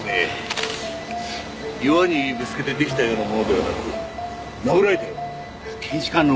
岩にぶつけて出来たようなものではなく殴られたような。